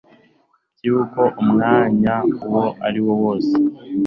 by'uko umwanya uwo ari wo wose